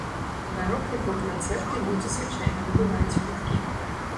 На рок- і поп-канцэрты людзі звычайна набываюць квіткі.